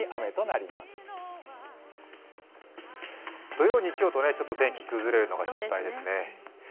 土曜、日曜と天気が崩れるのが心配ですね。